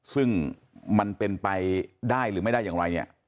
ซึ่งมันเป็นไปได้หรือไม่ได้อย่างไรเนี่ย